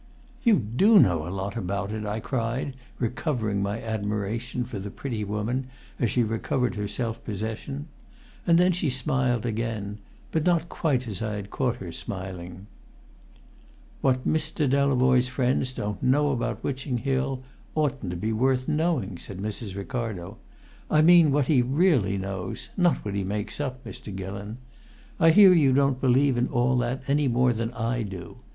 "You do know a lot about it!" I cried, recovering my admiration for the pretty woman as she recovered her self possession. And then she smiled again, but not quite as I had caught her smiling. "What Mr. Delavoye's friends don't know about Witching Hill oughtn't to be worth knowing!" said Mrs. Ricardo. "I mean what he really knows, not what he makes up, Mr. Gillon. I hear you don't believe in all that any more than I do.